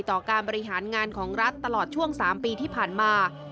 ต่อการบริหารงานของรัฐตลอดช่วง๓ปีที่ผ่านมา